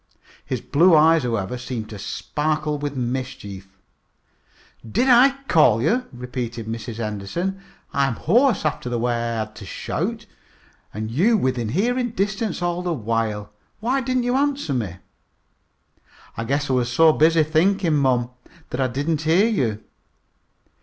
His blue eyes, however, seemed to sparkle with mischief. "Did I call you?" repeated Mrs. Henderson. "I'm hoarse after the way I had to shout and you within hearing distance all the while! Why didn't you answer me?" "I guess I was so busy thinking, mom, that I didn't hear you."